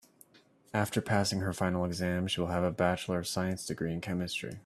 After passing her final exam she will have a bachelor of science degree in chemistry.